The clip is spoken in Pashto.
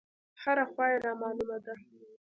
هره خوا يې رامالومه ده.